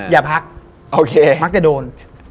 อย่าพักมักจะโดน